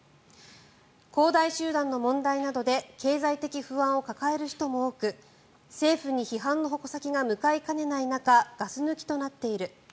恒大集団の問題などで経済的不安を抱える人も多く政府に批判の矛先が向かいかねない中ガス抜きとなっている。